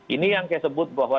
ini yang saya sebut bahwa